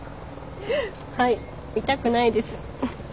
はい痛くないです。